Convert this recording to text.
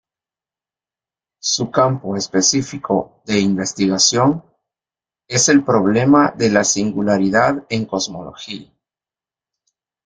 Su campo específico de investigación es el "problema de la singularidad" en cosmología.